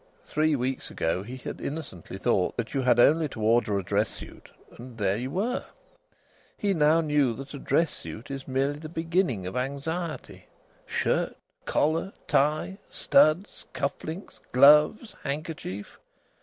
Three weeks ago he had innocently thought that you had only to order a dress suit and there you were! He now knew that a dress suit is merely the beginning of anxiety. Shirt! Collar! Tie! Studs! Cuff links! Gloves! Handkerchief!